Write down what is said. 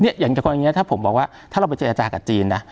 อย่างกรณีถ้าผมบอกว่าถ้าเราไปเจรจากับจีนนะ